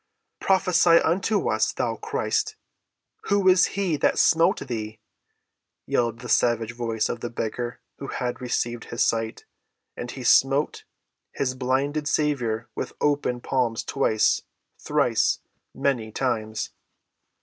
"Prophesy unto us, thou Christ. Who is he that smote thee?" yelled the savage voice of the beggar who had received his sight; and he smote his blinded Saviour with open palms twice—thrice—many times.